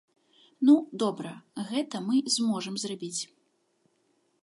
Ну, добра, гэта мы зможам зрабіць.